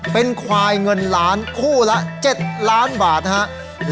เป็นควายเงินล้านคู่ละ๗ล้านบาทครับ